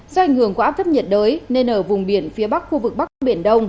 do ảnh hưởng của áp thấp nhiệt đới nên ở vùng biển phía bắc khu vực bắc biển đông